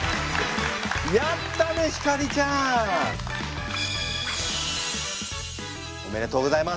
やったね晃ちゃん！おめでとうございます。